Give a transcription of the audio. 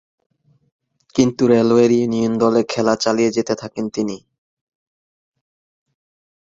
কিন্তু railway union দলে খেলা চালিয়ে যেতে থাকেন তিনি।